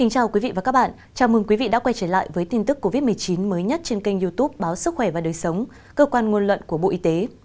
chào mừng quý vị đã quay trở lại với tin tức covid một mươi chín mới nhất trên kênh youtube báo sức khỏe và đời sống cơ quan nguồn luận của bộ y tế